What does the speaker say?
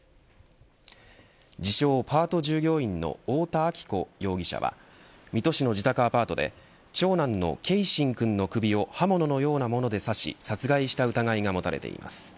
自称パート従業員の太田亜紀子容疑者は水戸市の自宅アパートで長男の継真くんの首を刃物のようなもので刺し殺害した疑いが持たれています。